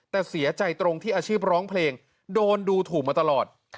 แต่เสียใจตรงที่อาชีพร้องเพลงโดนดูถูกมาตลอด